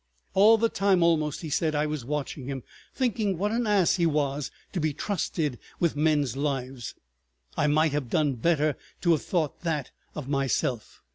... "All the time almost," he said, "I was watching him—thinking what an ass he was to be trusted with men's lives. ... I might have done better to have thought that of myself.